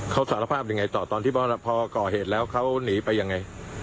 เขาสารภาพยังไงต่อตอนที่พอก่อเหตุแล้วเขาหนีไปยังไง